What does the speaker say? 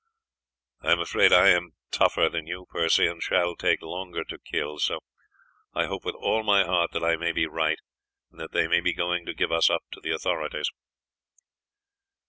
"I am afraid I am tougher than you, Percy, and shall take longer to kill, so I hope with all my heart that I may be right, and that they may be going to give us up to the authorities."